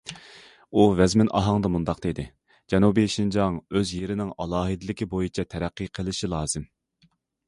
ئۇ ۋەزمىن ئاھاڭدا مۇنداق دېدى: جەنۇبىي شىنجاڭ ئۆز يېرىنىڭ ئالاھىدىلىكى بويىچە تەرەققىي قىلىشى لازىم.